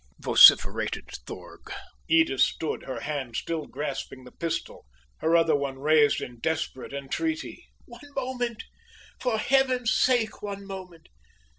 vociferated Thorg. Edith stood, her hand still grasping the pistol her other one raised in desperate entreaty. "Oh! one moment! for heaven's sake, one moment!